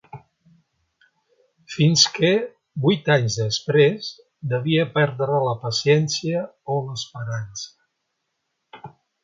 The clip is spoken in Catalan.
Fins que, vuit anys després, devia perdre la paciència o l'esperança.